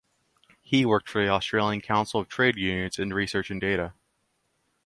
He worked for the Australian Council of Trade Unions in research and data.